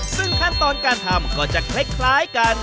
ซึ่งขั้นตอนการทำก็จะคล้ายกัน